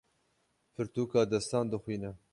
Pirtûka destan dixwîne.